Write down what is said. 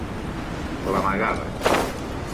L'amagaven.